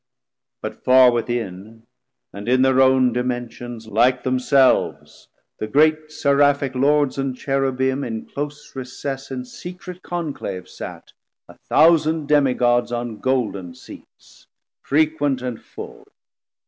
But far within And in thir own dimensions like themselves The great Seraphic Lords and Cherubim In close recess and secret conclave sat A thousand Demy Gods on golden seat's, Frequent and full.